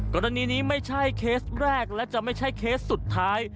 กรณีนี้ไม่ใช่เคสแรกและจะไม่ใช่เคสสุดท้าย